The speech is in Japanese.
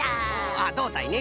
あどうたいね。